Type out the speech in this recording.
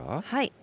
はい。